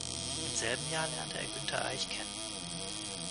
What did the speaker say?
Im selben Jahr lernte er Günter Eich kennen.